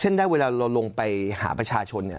ได้เวลาเราลงไปหาประชาชน